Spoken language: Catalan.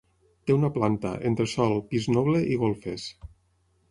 Té una planta, entresòl, pis noble i golfes.